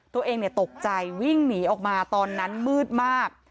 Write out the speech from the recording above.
ตัวเองตกใจวิ่งหนีออกมาตอนนั้นมืดมาก